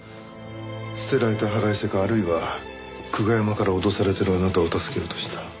捨てられた腹いせかあるいは久我山から脅されているあなたを助けようとした。